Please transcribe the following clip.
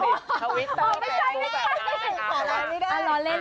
ไม่ใช่พี่แพทย์